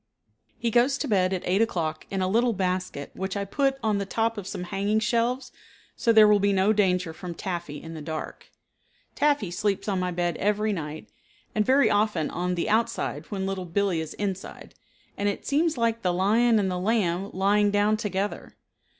He goes to bed at eight o'clock in a little basket which I put on the top of some hanging shelves so there will be no danger from Taffy in the dark. Taffy sleeps on my bed every night, and very often on the outside when Little Billee is inside, and it seems like the lion and the lamb lying down together.